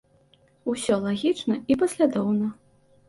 Усё лагічна і паслядоўна.